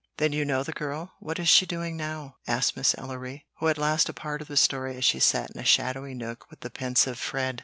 "Then you know the girl? What is she doing now?" asked Miss Ellery, who had lost a part of the story as she sat in a shadowy nook with the pensive Fred.